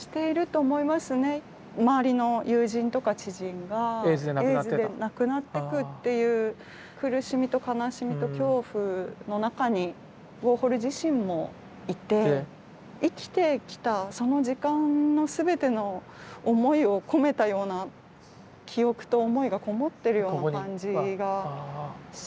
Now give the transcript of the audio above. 周りの友人とか知人がエイズで亡くなってくっていう苦しみと悲しみと恐怖の中にウォーホル自身もいて生きてきたその時間のすべての思いを込めたような記憶と思いがこもってるような感じがしますよね。